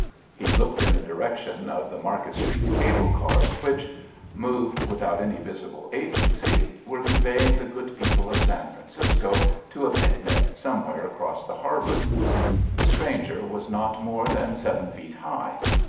'' He looked in the ^ direction of the Market Street cable cars which, moved without any visible agency, were conveying the good people of San Francisco to a picnic somewhere across the harbour. The stranger was not more than seven feet high.